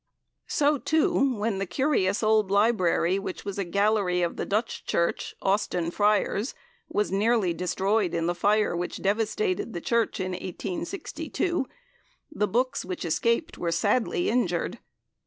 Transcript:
So, too, when the curious old Library which was in a gallery of the Dutch Church, Austin Friars, was nearly destroyed in the fire which devastated the Church in 1862, the books which escaped were sadly injured.